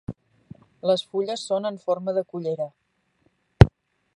Les fulles són en forma de cullera.